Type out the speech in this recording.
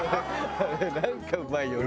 あれなんかうまいよね。